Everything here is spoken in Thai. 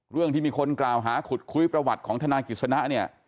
เรื่องที่มีคนกล่าวหาขุดคุยประวัติของธนายกิจสนะเนี่ย